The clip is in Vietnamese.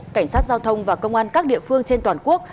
cảnh sát giao thông và công an các địa phương trên toàn quốc